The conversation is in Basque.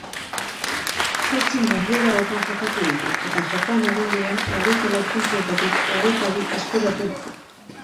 Zortzi norgehiagoka jokatu ditu eta jokoan egon diren hogeitalau puntuetatik hogeitabi eskuratu ditu.